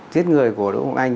tiết người của đỗ ngọc anh